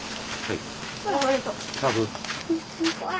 はい。